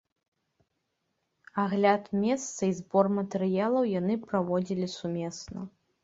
Агляд месца і збор матэрыялаў яны праводзілі сумесна.